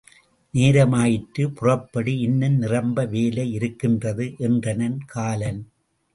நேரமாயிற்று, புறப்படு, இன்னும் நிரம்ப வேலை யிருக்கின்றது என்றனன் காலன்.